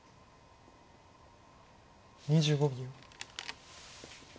２５秒。